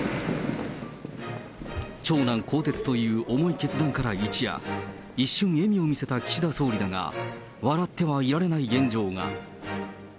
長男更迭という重い決断から一夜、一瞬、笑みを見せた岸田総理だが、笑ってはいられない現状が。